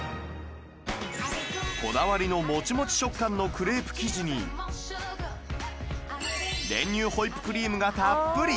こだわりのもちもち食感のクレープ生地に練乳ホイップクリームがたっぷり！